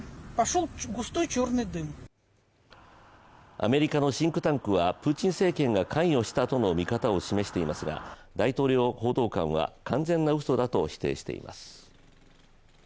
アメリカのシンクタンクはプーチン政権が関与したとの見方を示していますが大統領報道官は完全なうそだと否定しています。